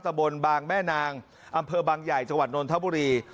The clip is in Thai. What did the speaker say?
บนบางแม่นางอำเภอบางใหญ่จังหวัดนนทบุรี